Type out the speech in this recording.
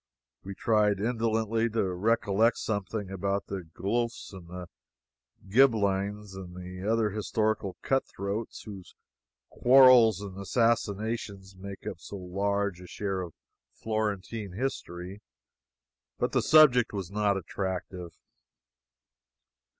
We tried indolently to recollect something about the Guelphs and Ghibelines and the other historical cut throats whose quarrels and assassinations make up so large a share of Florentine history, but the subject was not attractive.